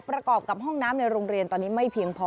ประกอบกับห้องน้ำในโรงเรียนตอนนี้ไม่เพียงพอ